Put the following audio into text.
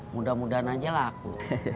mudah mudahan aja laku